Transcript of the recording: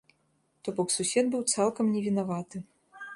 То бок сусед быў цалкам невінаваты.